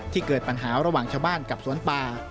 เกิดปัญหาระหว่างชาวบ้านกับสวนป่า